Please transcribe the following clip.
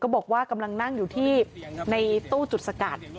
อยู่ที่ตู้อยู่ที่ตู้จุดสกัด